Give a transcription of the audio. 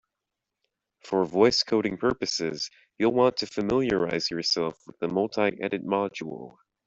For voice coding purposes, you'll want to familiarize yourself with the multiedit module.